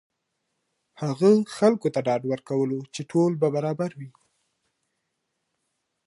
هغه خلکو ته ډاډ ورکولو چې ټول به برابر وي.